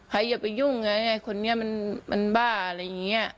ให้อย่าไปยุ่งไงคนเนี้ยมันมันบ้าอะไรอย่างเงี้ย